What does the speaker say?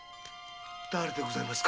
誰でございますか？